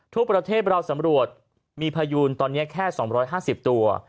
ทั่วประเทศเราสำรวจมีพยูนตอนนี้แค่๒๕๐ตัว